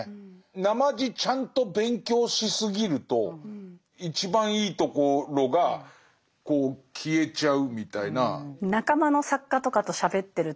なまじちゃんと勉強しすぎると一番いいところがこう消えちゃうみたいな。